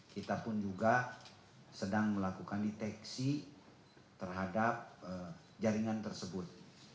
kita pun juga sedang melakukan deteksi terhadap jaringan tersebut